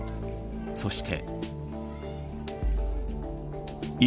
そして。